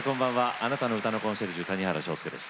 あなたの歌のコンシェルジュ谷原章介です。